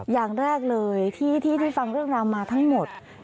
อย่างแรกเลยที่ได้ฟังเรื่องราวมาทั้งหมด